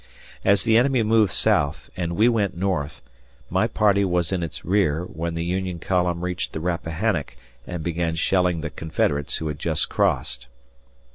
As the enemy moved south and we went north, my party was in its rear when the Union column reached the Rappahannock and began shelling the Confederates who had just crossed.